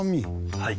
はい。